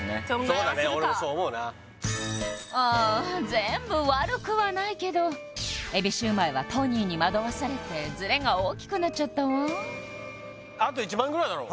そんぐらいはするかああ全部悪くはないけどエビシューマイはトニーに惑わされてズレが大きくなっちゃったわあと１万ぐらいだろ？